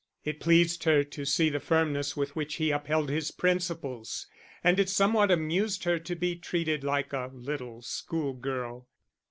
It pleased her to see the firmness with which he upheld his principles, and it somewhat amused her to be treated like a little schoolgirl.